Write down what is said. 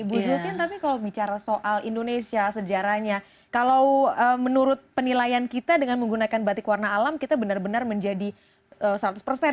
ibu jultin tapi kalau bicara soal indonesia sejarahnya kalau menurut penilaian kita dengan menggunakan batik warna alam kita benar benar menjadi seratus persen